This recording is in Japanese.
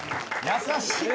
優しい。